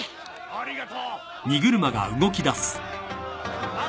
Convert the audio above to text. ありがとう！